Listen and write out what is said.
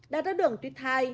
đai thác đường tuyết hai